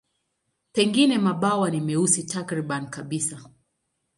Pengine mabawa ni meusi takriban kabisa.